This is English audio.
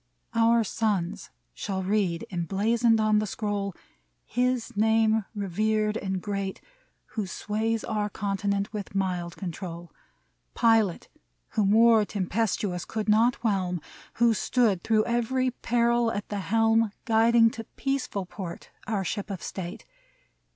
Our sons shall read, emblazoned on the scroll. His name revered and great. Who sways our continent with mild control : Pilot whom war tempestuous could not whelm, Who stood through every peril at the helm. Guiding to peaceful port our Ship of State.